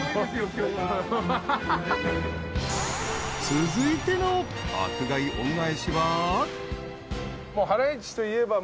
［続いての爆買い恩返しは］